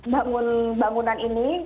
bangun bangunan ini